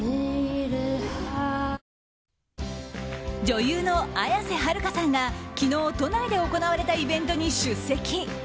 女優の綾瀬はるかさんが昨日、都内で行われたイベントに出席。